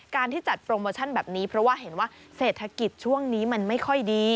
ที่จัดโปรโมชั่นแบบนี้เพราะว่าเห็นว่าเศรษฐกิจช่วงนี้มันไม่ค่อยดี